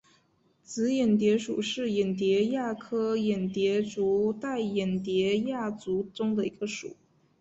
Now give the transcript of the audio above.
紫眼蝶属是眼蝶亚科眼蝶族黛眼蝶亚族中的一个属。